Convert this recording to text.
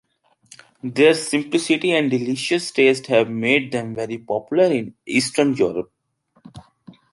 Their simplicity and delicious taste have made them very popular in Eastern Europe.